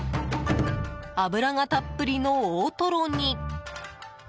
脂がたっぷりの大トロに。